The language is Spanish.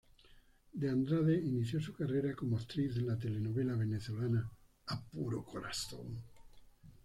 De Andrade inició su carrera como actriz en la telenovela venezolana "A puro corazón".